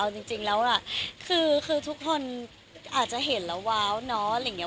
ไม่เลยค่ะเอาจริงแล้วอ่ะคือทุกคนอาจจะเห็นแล้วว้าวเนาะ